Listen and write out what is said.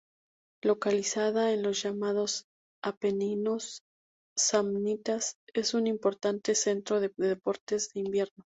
Localizada en los llamados Apeninos samnitas, es un importante centro de deportes de invierno.